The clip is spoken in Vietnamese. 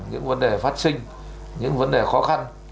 những vấn đề phát sinh những vấn đề khó khăn